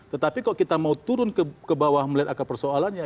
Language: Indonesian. tetapi kalau kita mau turun ke bawah melihat akar persoalannya